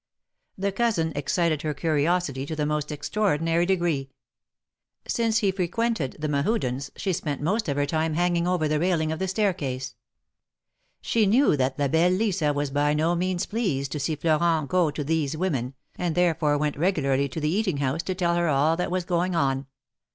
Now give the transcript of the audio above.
The cousin excited her curiosity to the most extraordinary degree. Since he frequented the Mehudens, she spent most of her time hanging over the railing of the staircase. She knew that La belle Lisa was by no means pleased THE MARKETS OF PARIS. 163 to see riorent go to " these women/^ and therefore went regularly to the eating house to tell her all that was going on.